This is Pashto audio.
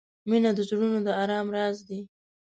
• مینه د زړونو د آرام راز دی.